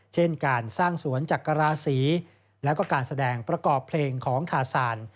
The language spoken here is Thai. เช่นการสร้างสวนจักราศีแล้วก็การแสดงประกอบเพลงของคาซาน